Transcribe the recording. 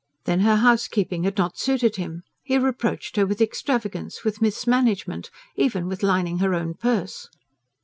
Then her housekeeping had not suited him: he reproached her with extravagance, with mismanagement, even with lining her own purse.